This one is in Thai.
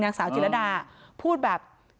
นางสาวจิรดาพูดแบบ